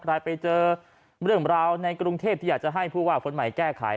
ใครไปเจอเรื่องราวในกรุงเทพที่อยากจะให้ผู้ว่าคนใหม่แก้ไข